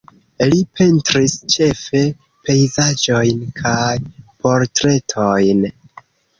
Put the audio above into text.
Li pentris ĉefe pejzaĝojn kaj portretojn.